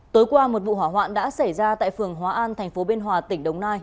tối qua một vụ hỏa hoạn đã xảy ra tại phường hóa an thành phố biên hòa tỉnh đồng nai